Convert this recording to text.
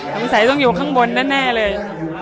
สาวต้องอยู่ข้างบนนั่นแน่เลย